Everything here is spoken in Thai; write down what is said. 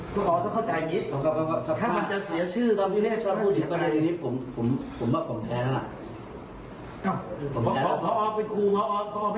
ต้องมีการช่วยเหลือเด็กทั้งประเทศนะครับ